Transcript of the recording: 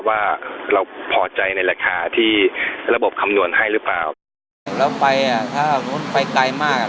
ว่าเราพอใจในราคาที่ระบบคำนวณให้หรือเปล่าแล้วไปอ่ะถ้าสมมุติไปไกลมากอ่ะ